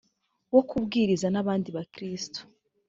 wo kubwiriza n abandi bakristo